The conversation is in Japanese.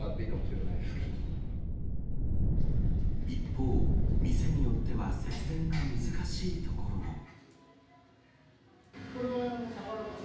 一方、店によっては節電が難しいところも。